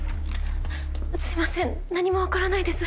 すいません何もわからないです。